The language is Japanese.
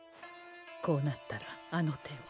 こうなったらあの手を。